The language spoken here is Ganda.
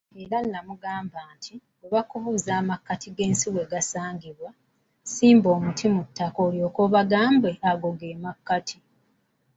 Era n'amugamba nti, we bakubuuza amakkati g'ensi yonna wegasangibwa, simba omuti mu ttaka olyoke obagambe ago ge makkati.